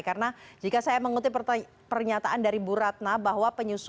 karena jika saya mengutip pernyataan dari bu ratna bahwa